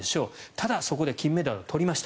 ただそこで金メダルを取りました。